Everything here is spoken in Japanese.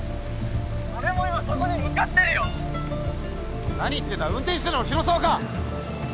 ☎俺も今そこに向かってるよ何言ってんだ運転してたの広沢か？